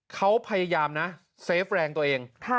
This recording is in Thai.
เขาพยายามนะเซฟแรงตัวเอง